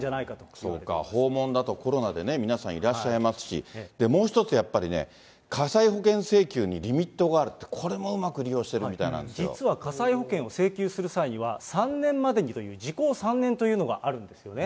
そっか訪問だと、コロナで皆さんいらっしゃいますし、もう一つやっぱりね、火災保険請求にリミットがあるって、これもうまく実は火災保険を請求する際には、３年までにという時効３年というのがあるんですね。